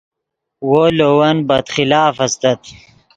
وو لے ون بد خلاف استت